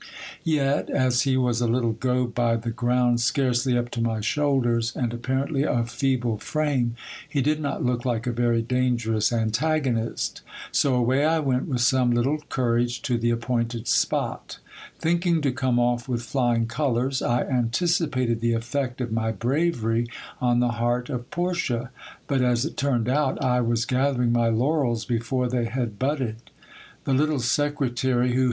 Yet as he was a little go by the ground, scarcely up to my shoulders, and apparently of feeble frame, he did not look like a very dangerous antagonist ; so away I went with some little courage to the appointed spot Thinking to come off with flying colours, I anticipated the effect of my bravery on the heart of Portia ; but as it turned out, I was gathering my laurels before they had budded. The little secretary, who hr.